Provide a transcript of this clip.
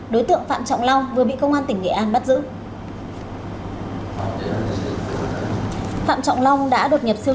đối tượng phạm trọng long vừa bị công an tỉnh nghệ an bắt giữ phạm trọng long đã đột nhập siêu